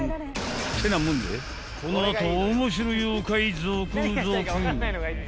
［てなもんでこの後面白妖怪続々］